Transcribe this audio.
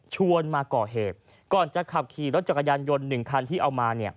มาก่อเหตุก่อนจะขับขี่รถจักรยานยนต์๑คันที่เอามา